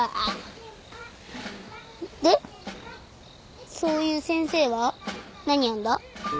でそういう先生は何やんだ？